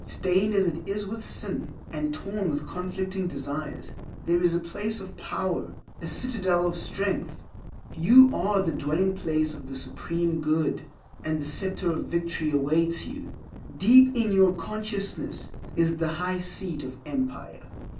stained as it is with sin, and torn with conflicting desires, there is a place of power, a citadel of strength. You are the dwelling place of the Supreme Good, and the Scepter of Victory awaits you: deep in your consciousness is the High Seat of Empire.